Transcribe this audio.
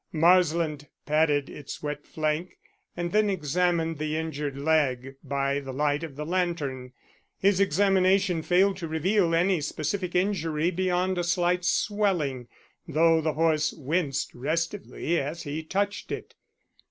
Marsland patted its wet flank, and then examined the injured leg by the light of the lantern. His examination failed to reveal any specific injury beyond a slight swelling, though the horse winced restively as he touched it.